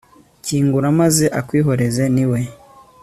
kingura maze akwihoreze, ni we